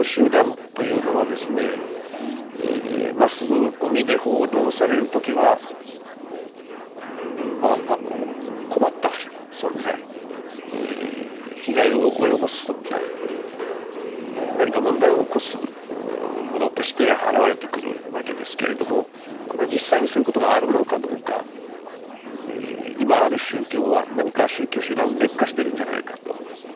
マスコミで報道される時はまああの困った存在被害を及ぼす存在何か問題を起こすものとして現れてくるわけですけれどもこれは実際にそういうことがあるのかどうか今ある宗教は何か宗教集団劣化しているんじゃないかと。